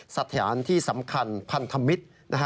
สถานที่สำคัญพันธมิตร